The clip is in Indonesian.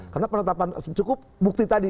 karena penetapan cukup bukti tadi